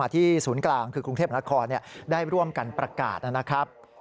ที่ร่วมกันประกาศนะครับ